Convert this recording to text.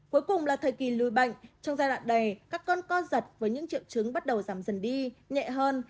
cuối cùng là thời kỳ lùi bệnh trong giai đoạn đè các con co giật với những triệu chứng bắt đầu giảm dần đi nhẹ hơn